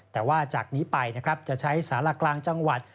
แต่ว่าจากนี้ไปนะครับจะใช้สารากลางจังหวัด